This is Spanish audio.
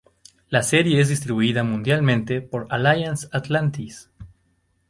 La serie es distribuida mundialmente por Alliance Atlantis.